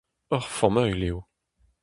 Ur familh eo.